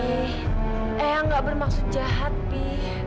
edo tidak bermaksud jahat bi